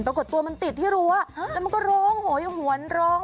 ปรากฏตัวมันติดที่รั้วแล้วมันก็ร้องโหยหวนร้อง